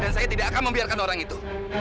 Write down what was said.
dan saya tidak akan membiarkan orang itu